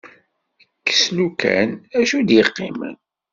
Kkes lukan, acu i d-iqqimen?